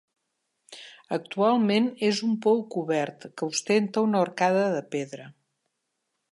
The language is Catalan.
Actualment és un pou cobert que ostenta una arcada de pedra.